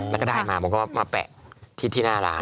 แล้วก็ได้มาผมก็มาแปะที่หน้าร้าน